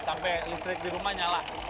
sampai listrik di rumah nyala